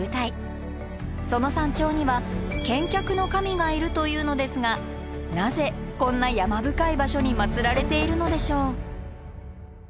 その山頂には健脚の神がいるというのですがなぜこんな山深い場所に祭られているのでしょう。